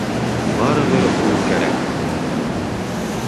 — Барыбер ул кәрәк.